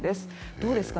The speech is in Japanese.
どうですか？